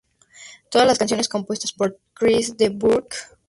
Todas las canciones compuestas por Chris de Burgh.